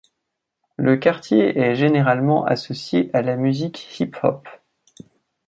Le quartier est généralement associé à la musique hip-hop.